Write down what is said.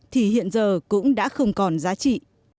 thì hiện giờ cũng đã không còn giá trị